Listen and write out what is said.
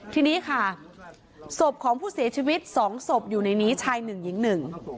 ที่นี้ค่ะสอบของผู้เสียชีวิต๒สอบอยู่ในนี้ชัย๑หญิง๑